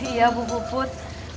iya bu put